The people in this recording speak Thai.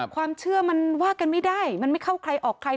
ความเชื่อมันว่ากันไม่ได้มันไม่เข้าใครออกใคร